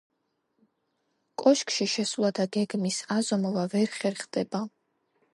კოშკში შესვლა და გეგმის აზომვა ვერ ხერხდება.